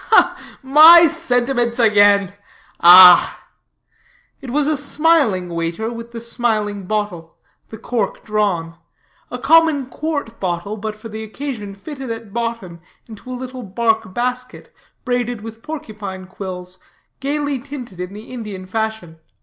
"My sentiments again. Ah!" It was a smiling waiter, with the smiling bottle, the cork drawn; a common quart bottle, but for the occasion fitted at bottom into a little bark basket, braided with porcupine quills, gayly tinted in the Indian fashion.